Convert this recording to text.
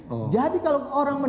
benzen kalau menemukan benzen